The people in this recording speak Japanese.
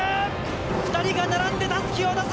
２人が並んでたすきを渡す。